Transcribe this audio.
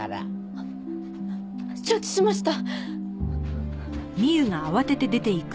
あっ承知しました。